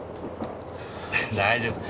大丈夫。